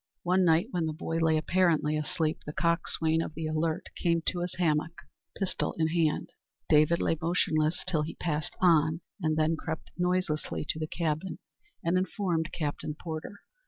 One night when the boy lay apparently asleep, the coxswain of the Alert came to his hammock, pistol in hand. David lay motionless till he passed on, and then crept noiselessly to the cabin, and informed Captain Porter.